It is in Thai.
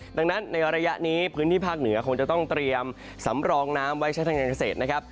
ดังนั้นในระยะนี้พื้นที่ภาคเหนือคงจะต้องเตรียมสำรองน้ำไว้ใช้ทางการเกษตรนะครับ